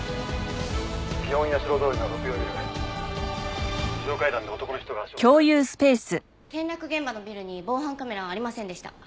「園やしろ通りの六葉ビル」「非常階段で男の人が足を滑らせて」転落現場のビルに防犯カメラはありませんでした。